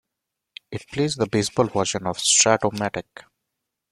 It plays the baseball version of Strat-O-Matic.